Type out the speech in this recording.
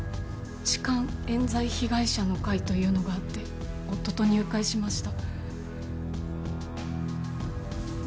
痴漢冤罪被害者の会というのがあって夫と入会しました